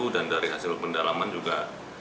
dan dari hasil pendalaman juga